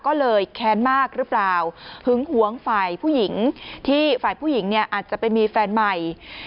ก็เลยแค้นมากหรือเปล่าหึงหวงฝ่ายผู้หญิงที่ฝ่ายผู้หญิงเนี่ยอาจจะไปมีแฟนใหม่